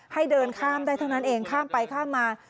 ให้เดินข้ามได้เท่านั้นเองข้ามไปข้ามมา